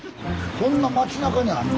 こんな町なかにあんの？